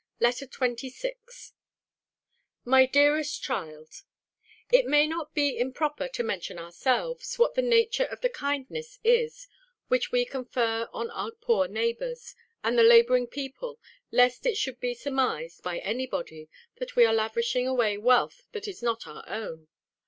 LETTER XXVI MY DEAREST CHILD, It may not be improper to mention ourselves, what the nature of the kindnesses is, which we confer on our poor neighbours, and the labouring people, lest it should be surmised, by any body, that we are lavishing away wealth that is not our own.